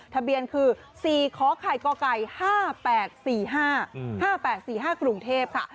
ทะเบียนคือ๔๕๘๔๕๕๘๔๕กรุงเทพฯค่ะ